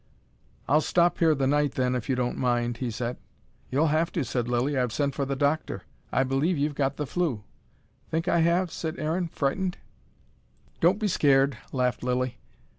"I'll stop here the night then, if you don't mind," he said. "You'll have to," said Lilly. "I've sent for the doctor. I believe you've got the flu." "Think I have?" said Aaron frightened. "Don't be scared," laughed Lilly.